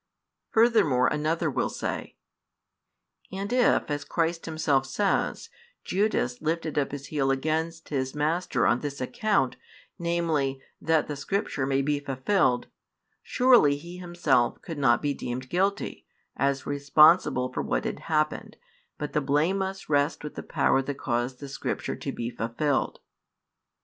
Furthermore, another will say: "And if, as Christ Himself says, Judas lifted up his heel against his Master on this account, namely, that the Scripture may be fulfilled, surely he himself could not be deemed guilty, as responsible for what had happened, but the blame must rest with the power that caused the Scripture to be fulfilled."